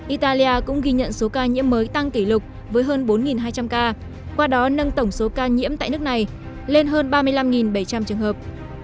italia cũng ghi nhận số ca nhiễm mới tăng kỷ lục với hơn bốn hai trăm linh ca qua đó nâng tổng số ca nhiễm tại nước này lên hơn ba mươi năm bảy trăm linh trường hợp